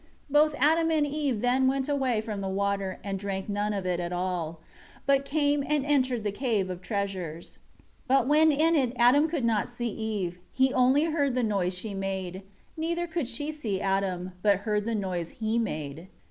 3 Both Adam and Eve then went away from the water, and drank none of it at all; but came and entered the Cave of Treasures. 4 But when in it Adam could not see Eve; he only heard the noise she made. Neither could she see Adam, but heard the noise he made.